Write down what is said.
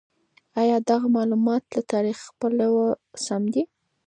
ایا دغه مالومات له تاریخي پلوه سم دي؟